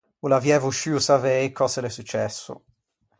O l’aviæ vosciuo savei cöse l’é successo.